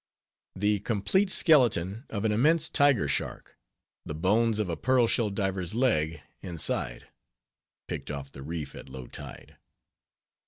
The complete Skeleton of an immense Tiger shark; the bones of a Pearl shell diver's leg inside. (Picked off the reef at low tide).